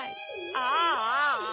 ああ。